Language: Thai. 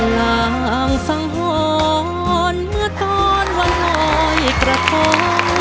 ร้องสงฆ์เมื่อก่อนวันร้อยกระทง